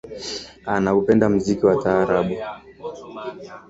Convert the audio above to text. Anaupenda muziki wa taarabu